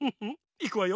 いくわよ。